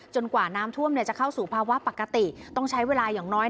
กว่าน้ำท่วมจะเข้าสู่ภาวะปกติต้องใช้เวลาอย่างน้อย